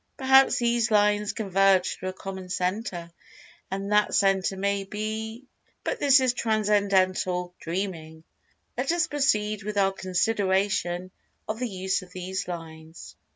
Perhaps these lines converge to a common centre, and that centre may be——! But this is transcendental dreaming—let us[Pg 187] proceed with our consideration of the use of these lines.